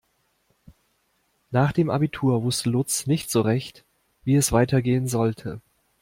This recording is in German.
Nach dem Abitur wusste Lutz nicht so recht, wie es weitergehen sollte.